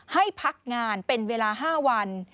ให้พักงานเป็นเวลา๕วัน